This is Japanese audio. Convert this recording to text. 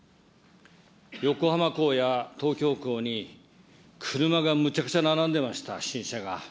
横浜港や東京港に車がむちゃくちゃ並んでました、新車が。